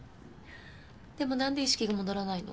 でもなんで意識が戻らないの？